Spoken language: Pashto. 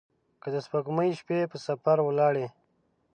که د سپوږمۍ شپې په سفر ولاړي